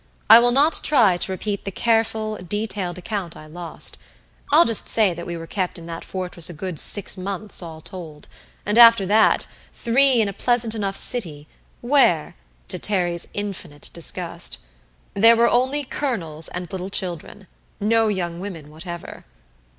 I will not try to repeat the careful, detailed account I lost; I'll just say that we were kept in that fortress a good six months all told, and after that, three in a pleasant enough city where to Terry's infinite disgust there were only "Colonels" and little children no young women whatever.